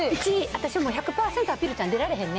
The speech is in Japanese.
私もう１００％アピールちゃん出られへんね。